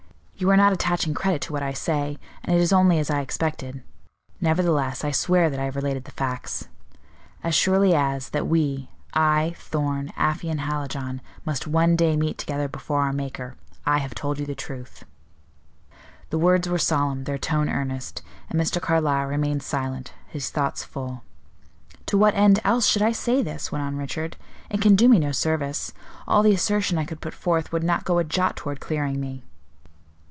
You are not attaching credit to what I say, and it is only as I expected; nevertheless, I swear that I have related the facts. As surely as that we I, Thorn, Afy and Hallijohn, must one day meet together before our Maker, I have told you the truth." The words were solemn, their tone earnest, and Mr. Carlyle remained silent, his thoughts full. "To what end, else, should I say this?" went on Richard. "It can do me no service; all the assertion I could put forth would not go a jot toward clearing me."